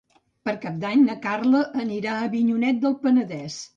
Per Cap d'Any na Carla anirà a Avinyonet del Penedès.